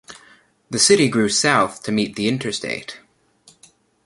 The city grew south to meet the interstate.